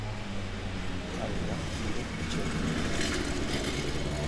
Hau da nire etxea